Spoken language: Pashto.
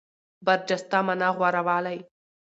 برجسته مانا غوره والی.